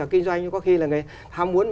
kinh doanh có khi là người ham muốn